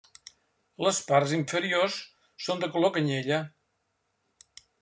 Les parts inferiors són de color canyella.